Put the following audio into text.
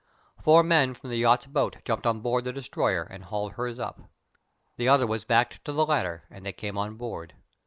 Four men from the yacht's boat jumped on board the destroyer and hauled hers up. The other was backed to the ladder and they came on board.